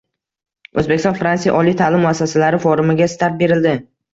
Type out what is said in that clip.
“O‘zbekiston – Fransiya oliy ta’lim muassasalari forumi”ga start berildi